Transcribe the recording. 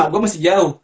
gue masih jauh